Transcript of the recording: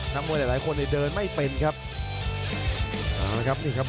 ครับมวยหลายคนเนี่ยเดินไม่เป็นครับอ่าครับนี่ครับ